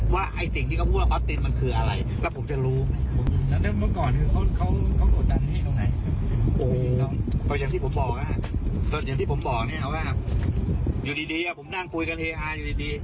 อย่างที่ผมบอกนะครับอยู่ดีอะผมนั่งคุยกับเทฮ่าอยู่ดี